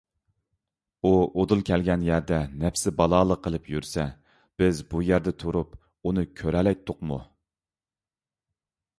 ئۇ ئۇدۇل كەلگەن يەردە نەپسى بالالىق قىلىپ يۈرسە، بىز بۇ يەردە تۇرۇپ ئۇنى كۆرەلەيتتۇقمۇ؟